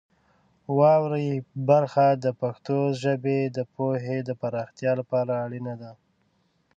واورئ برخه د پښتو ژبې د پوهې د پراختیا لپاره اړینه ده.